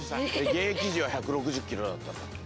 現役時は１６０ｋｇだったんだから。